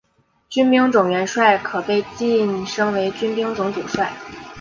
军兵种元帅可被晋升为军兵种主帅。